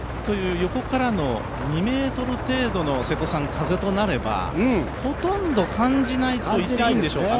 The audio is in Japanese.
横からの２ｍ程度の風となれば、ほとんど感じないと言っていいんでしょうかね。